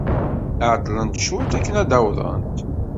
Ɛeḍḍlent cwiṭ akken ad d-awḍent.